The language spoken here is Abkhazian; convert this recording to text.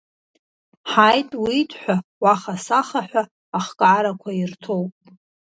Ҳаит, уит ҳәа уаха-саха ҳәа ахкаарақәа ирҭоуп.